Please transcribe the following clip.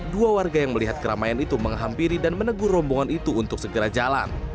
dua warga yang melihat keramaian itu menghampiri dan menegur rombongan itu untuk segera jalan